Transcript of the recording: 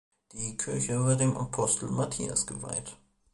Die Kirche war dem Apostel Matthias geweiht.